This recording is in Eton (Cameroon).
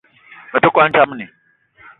Me te kwal ndjamni